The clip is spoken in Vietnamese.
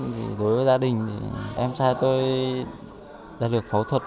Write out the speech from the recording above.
đối với gia đình thì em trai tôi đã được phẫu thuật